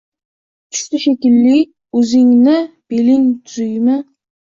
tushdi shekili, o’zingni beling tuzimi?